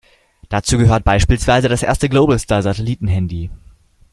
Dazu gehört beispielsweise das erste Globalstar-Satellitenhandy.